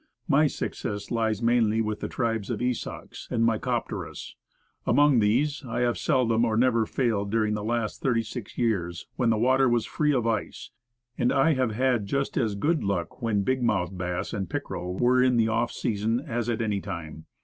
My success lies mainly with the tribes of Esox and Micropterus. Among these, I have seldom or never failed during the last thirty six years, when the water was free of ice; and I have had just as good luck when big mouthed bass and pickerel were in the "off season," as at any time.